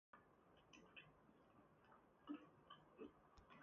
Fuma shighadi kushee mabemba.